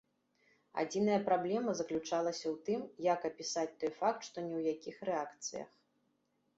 Адзіная праблема заключалася ў тым, як апісаць той факт, што ні ў якіх рэакцыях.